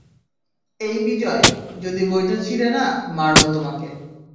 এই বিজয়, যদি বইটা ছিড়ে না, মারবো তোমাকে।